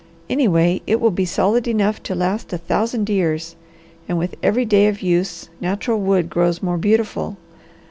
Anyway, it will be solid enough to last a thousand years, and with every day of use natural wood grows more beautiful.